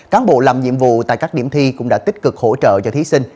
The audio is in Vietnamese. cán bộ làm nhiệm vụ tại các điểm thi cũng đã tích cực hỗ trợ cho thí sinh